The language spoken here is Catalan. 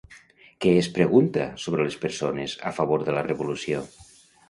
Què es pregunta sobre les persones a favor de la revolució?